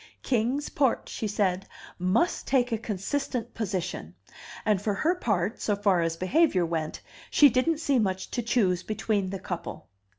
Kings Port, she said, must take a consistent position; and for her part, so far as behavior went, she didn't see much to choose between the couple.